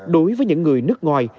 đối với những người nước ngoài